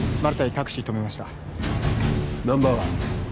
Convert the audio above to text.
タクシー止めましたナンバーは？